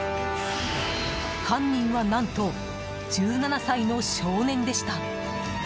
犯人は何と、１７歳の少年でした。